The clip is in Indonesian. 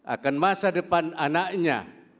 akan masa depan anaknya